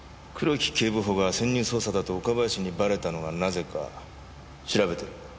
黒木警部補が潜入捜査だと岡林にバレたのはなぜか調べてる。